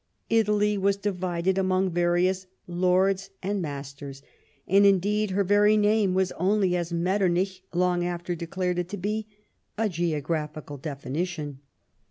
Italy was divided among vari ous lords and masters, and indeed her very name was only, as Metternich long after declared it to be, a geographical definition.